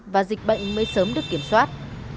và dịch bệnh mới sớm được kiểm soát